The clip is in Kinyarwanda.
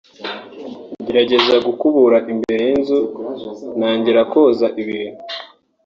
ngerageza gukubura imbere y’inzu ntangira koza ibintu